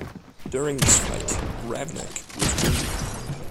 During this fight Raveneck was wounded.